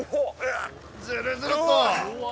ずるずるっと。